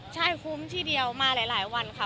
ใช่คุ้มที่เดียวมาหลายวันค่ะ